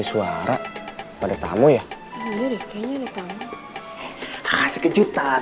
satu dua tiga